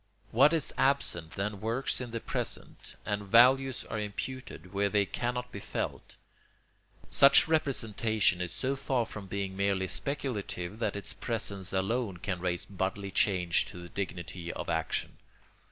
What is absent then works in the present, and values are imputed where they cannot be felt. Such representation is so far from being merely speculative that its presence alone can raise bodily change to the dignity of action.